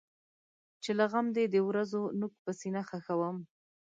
چې له غم دی د ورځو نوک په سینه خښوم.